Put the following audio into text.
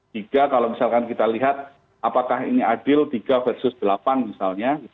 tiga kalau misalkan kita lihat apakah ini adil tiga versus delapan misalnya